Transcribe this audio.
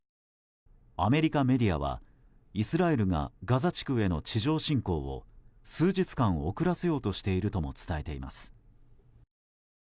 アメリカメディアはイスラエルがガザ地区への地上侵攻を数日間、遅らせようとしているとも伝えています。